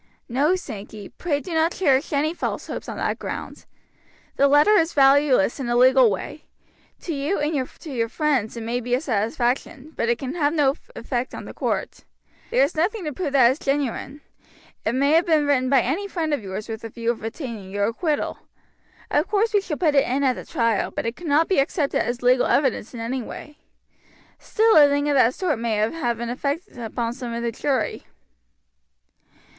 "No, Sankey, pray do not cherish any false hopes on that ground. The letter is valueless in a legal way. To you and to your friends it may be a satisfaction; but it can have no effect on the court. There is nothing to prove that it is genuine. It may have been written by any friend of yours with a view of obtaining your acquittal. Of course we shall put it in at the trial, but it cannot be accepted as legal evidence in any way. Still a thing of that sort may have an effect upon some of the jury."